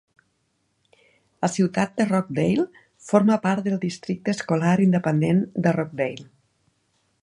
La ciutat de Rockdale forma part del districte escolar independent de Rockdale.